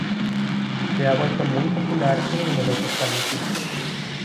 Se ha vuelto muy popular en numerosos países.